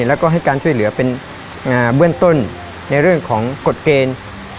แล้วก็ให้การช่วยเหลือเป็นเบื้องต้นในเรื่องของกฎเกณฑ์